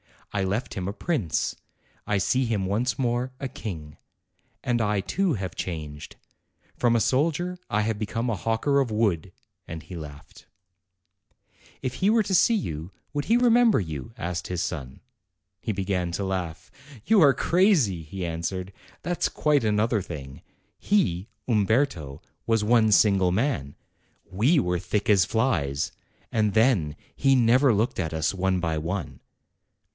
I left him a prince; I see him once more, a king. And I, too, have changed. From a soldier I have become a hawker of wood." And he laughed. 206 APRIL "If he were to see you, would he remember you?" asked his son. He began to laugh. "You are crazy!" he answered. "That's quite an other thing. He, Umberto, was one single man; we were as thick as flies. And then, he never looked at us one by one."